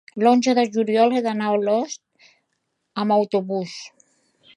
l'onze de juliol he d'anar a Olost amb autobús.